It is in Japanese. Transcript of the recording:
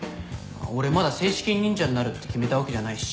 俺まだ正式に忍者になるって決めたわけじゃないし。